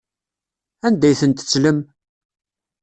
Anda ay ten-tettlem?